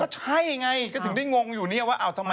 ก็ใช่ก็ถึงได้งงอยู่ว่าทำไม